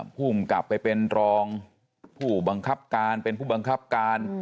ภูมิกลับไปเป็นรองผู้บังคับการเป็นผู้บังคับการ